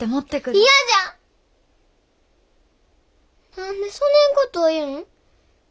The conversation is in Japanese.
何でそねんことを言ん？